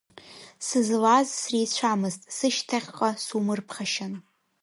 Сызлаз среицәамызт, сышьҭахьҟа сумырԥхашьан.